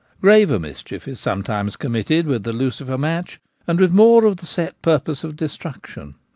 Graver mischief is sometimes committed with the lucifer match, and with more of the set purpose of destruction.